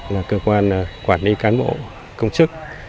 là cơ quan quản lý cán bộ công chức